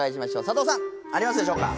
サダヲさんありますでしょうか？